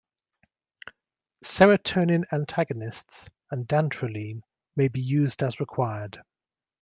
Serotonin antagonists and dantrolene may be used as required.